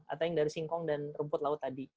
atau yang dari singkong dan rumput laut tadi